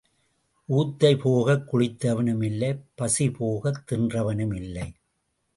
ஊத்தை போகக் குளித்தவனும் இல்லை பசி போகத் தின்றவனும் இல்லை.